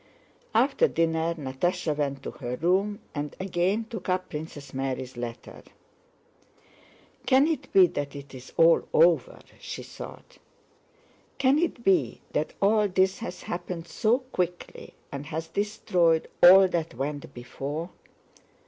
After dinner Natásha went to her room and again took up Princess Mary's letter. "Can it be that it is all over?" she thought. "Can it be that all this has happened so quickly and has destroyed all that went before?"